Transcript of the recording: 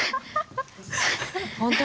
本当？